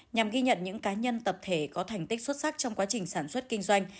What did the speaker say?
nhằm ghi nhận những cá nhân tập thể có thành tích xuất sắc trong quá trình sản xuất kinh doanh